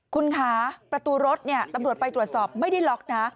คุณคะประตูรถตำรวจไปตรวจสอบไม่ได้ล็อกนะ